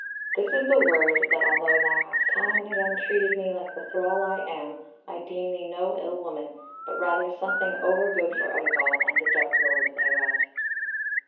This is the word, that although thou hast time and again treated me like the thrall I am, I deem thee no ill woman, but rather something overgood for Utterbol and the dark lord thereof."